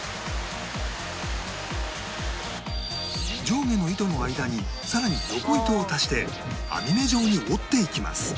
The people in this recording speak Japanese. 上下の糸の間に更に横糸を足して網目状に織っていきます